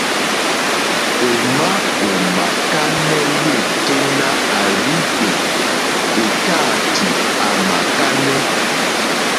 Òmá ò mà kánɛ́ yêténá à rzí ŋgbè èkáàtì à màkánɛ́.